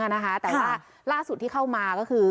แต่ว่าล่าสุดที่เข้ามาก็คือ